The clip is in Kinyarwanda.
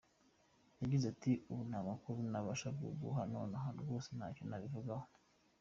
Yagize ati “ Ubu nta makuru nabasha kuguha nonaha, rwose ntacyo nabivugaho.